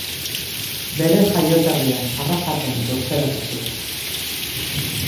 Bere jaioterrian, Arrasaten, lurperatu zuten.